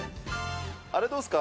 あれどうですか？